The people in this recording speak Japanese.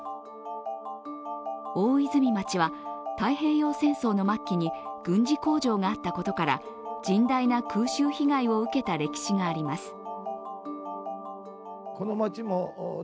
大泉町は太平洋戦争の末期に軍事工場があったことから甚大な空襲被害を受けた歴史があります。